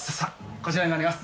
こちらになります。